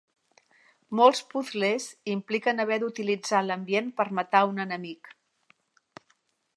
Molts puzles impliquen haver d'utilitzar l'ambient per matar un enemic.